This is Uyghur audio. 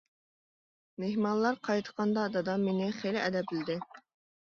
مېھمانلار قايتقاندا، دادام مېنى خېلى ئەدەپلىدى.